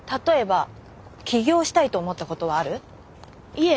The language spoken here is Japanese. いえ。